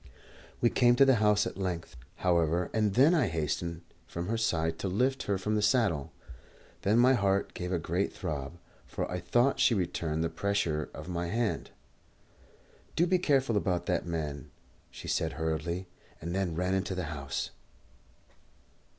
We came to the house at length, however, and then I hastened from her side to lift her from the saddle. Then my heart gave a great throb, for I thought she returned the pressure of my hand. "Do be careful about that man," she said hurriedly, and then ran into the house.